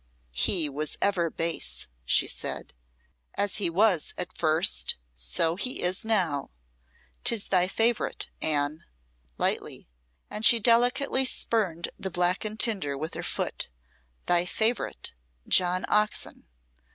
"He was ever base," she said "as he was at first, so he is now. 'Tis thy favourite, Anne," lightly, and she delicately spurned the blackened tinder with her foot "thy favourite, John Oxon."